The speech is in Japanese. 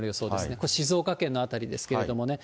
これ、静岡県の辺りですけれどもね。